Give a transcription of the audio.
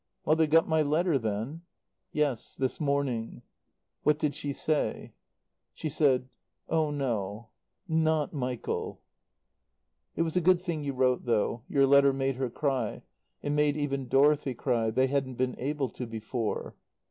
"Mother got my letter, then?" "Yes. This morning." "What did she say?" "She said: 'Oh, no. Not Michael.' "It was a good thing you wrote, though. Your letter made her cry. It made even Dorothy cry. They hadn't been able to, before."